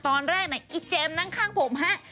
ตอนแรกอีเจมส์นั่งข้างผมฮะ